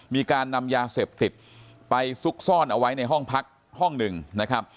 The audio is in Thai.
มีการนำยาเสพติดไปซุกซ่อนเอาไว้ในห้องพักห้องหนึ่งนะครับ